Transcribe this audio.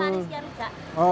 manis yang enggak